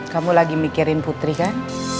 kamu lagi mikirin putri kan